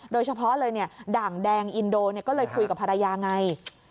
โดยเฉพาะเลยด่างแดงอินโดก็เลยคุยกับภรรยาไง